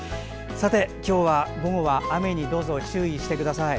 今日、午後は雨にどうぞ注意してください。